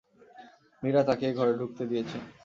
মীরা তাঁকে ঘরে ঢুকতে দিয়েছেন।